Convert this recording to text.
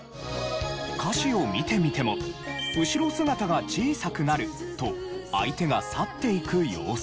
歌詞を見てみても「後姿が小さくなる」と相手が去っていく様子